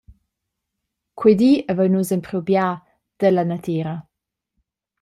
Quei di havein nus empriu bia dalla natira.